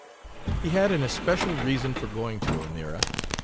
He had an especial reason for going to Elmira.